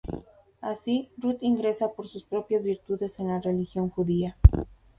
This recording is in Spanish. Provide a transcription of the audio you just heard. Así, Rut ingresa por sus propias virtudes en la religión judía.